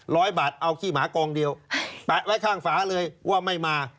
ร้อยบาทเอาขี้หมากองเดียวแปะไว้ข้างฝาเลยว่าไม่มา